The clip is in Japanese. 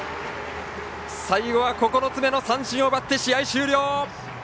最後は９つ目の三振を奪って試合終了！